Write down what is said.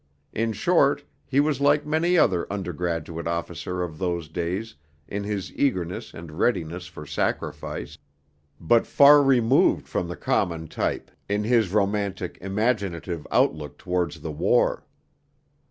In short, he was like many another undergraduate officer of those days in his eagerness and readiness for sacrifice, but far removed from the common type in his romantic, imaginative outlook towards the war.